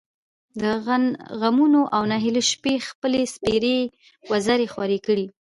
د غمـونـو او نهـيليو شـپې خپـلې سپـېرې وزرې خـورې کـړې.